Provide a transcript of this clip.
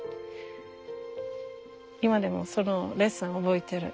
今でもそのレッスン覚えてる。